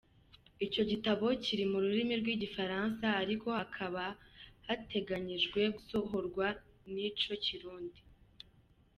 Ico gitabo kiri mu rurimi rw'igifaransa, ariko hakaba hategekanijwe gusohorwa n'ico ikirindu.